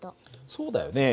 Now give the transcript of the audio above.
そうだよね。